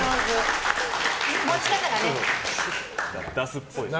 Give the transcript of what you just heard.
出すっぽい。